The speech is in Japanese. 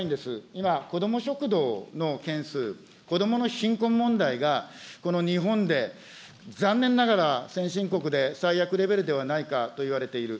今、子ども食堂の件数、子どもの貧困問題がこの日本で、残念ながら、先進国で最悪レベルではないかといわれている。